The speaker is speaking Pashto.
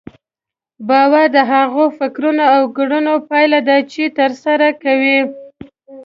باور د هغو فکرونو او کړنو پايله ده چې ترسره کوئ.